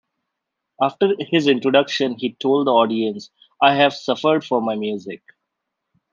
After his introduction he told the audience, I've suffered for my music.